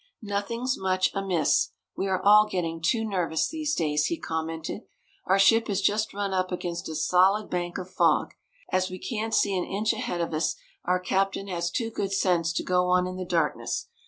"Nothing's much amiss, we are all getting too nervous these days," he commented. "Our ship has just run up against a solid bank of fog. As we can't see an inch ahead of us, our captain has too good sense to go on in the darkness.